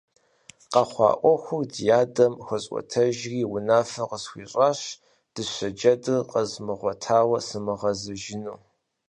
Къэхъуа Ӏуэхур ди адэм хуэсӀуэтэжати, унафэ къысхуищӀащ дыщэ джэдыр къэзмыгъуэтауэ сымыгъэзэну.